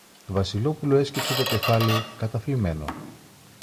Το Βασιλόπουλο έσκυψε το κεφάλι, καταθλιμμένο.